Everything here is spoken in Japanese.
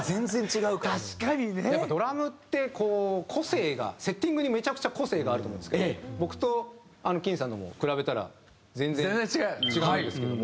確かにね。ドラムってこう個性がセッティングにめちゃくちゃ個性があると思うんですけど僕と欣さんのも比べたら全然違うんですけども。